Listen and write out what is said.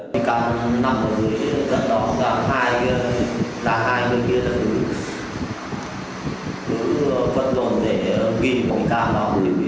bị can nằm ở dưới gần đó gặp hai người kia là đứa vật dồn để ghi công can đó